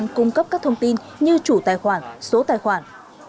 ông khoa cũng đồng cấp các thông tin như chủ tài khoản số tài khoản